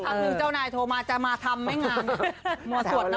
สักครู่เจ้านายโทรมาจะมาทำให้งาน